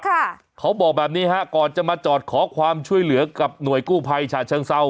เขาบอกแบบนี้ฮะก่อนจะมาจอดขอความช่วยเหลือกับหน่วยกู้ภัยฉะเชิงเซา